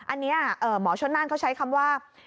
อันนี้หมอชนน่านเขาใช้คำว่า